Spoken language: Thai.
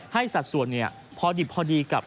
ให้สัดส่วนเนี่ยพอดีพอดีกับ